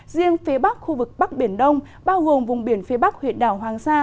riêng phía bắc khu vực bắc biển đông bao gồm vùng biển phía bắc huyện đảo hoàng sa